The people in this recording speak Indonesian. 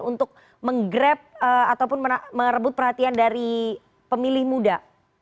untuk menggrab ataupun merebut perhatian dari pemilih muda